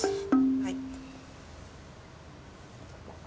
はい。